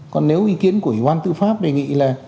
còn nếu ý kiến của ủy ban tư pháp đề nghị là